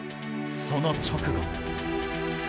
その直後。